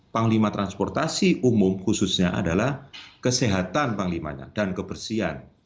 panglima transportasi umum khususnya adalah kesehatan panglimanya dan kebersihan